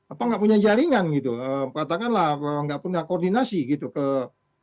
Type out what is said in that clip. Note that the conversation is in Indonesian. apa nggak punya jaringan gitu katakanlah nggak punya koordinasi gitu ke